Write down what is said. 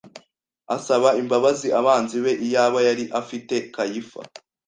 Asaba imbabazi abanzi be Iyaba yari afite Kayifa